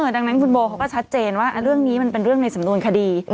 ดังนั้นคุณโบเขาก็ชัดเจนว่าเรื่องนี้มันเป็นเรื่องในสำนวนคดี